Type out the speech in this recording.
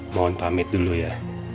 mohon pamit dulu ya